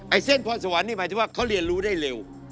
เส้นพรสวรรค์นี่หมายถึงว่าเขาเรียนรู้ได้เร็ว